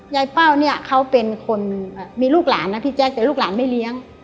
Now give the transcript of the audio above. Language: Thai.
เป้าเนี่ยเขาเป็นคนมีลูกหลานนะพี่แจ๊คแต่ลูกหลานไม่เลี้ยง